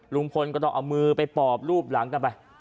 ลุงพลก็ต้องเอามือไปปอบรูปหลังกันไป